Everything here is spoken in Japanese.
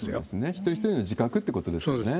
一人一人の自覚ということですよね。